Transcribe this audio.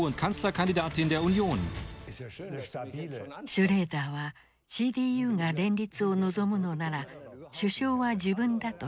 シュレーダーはＣＤＵが連立を望むのなら首相は自分だと主張した。